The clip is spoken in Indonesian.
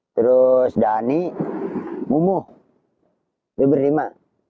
terus dani mumu itu berlima